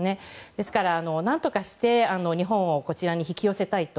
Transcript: ですから、何とかして日本をこちらに引き寄せたいと。